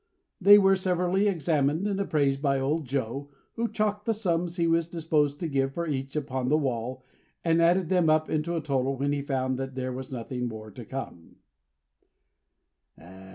They were severally examined and appraised by old Joe, who chalked the sums he was disposed to give for each, upon the wall, and added them up into a total when he found that there was nothing more to come.